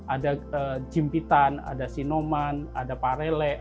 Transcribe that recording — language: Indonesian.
ada jimpitan ada sinoman ada parelek